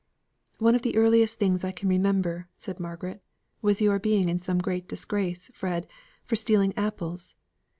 "One of the earliest things I can remember," said Margaret, "was your being in some great disgrace, Fred, for stealing apples.